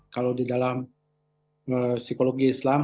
kalau di dalam psikologi islam